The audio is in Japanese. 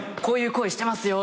こういう声してます